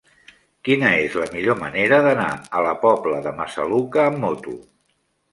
Quina és la millor manera d'anar a la Pobla de Massaluca amb moto?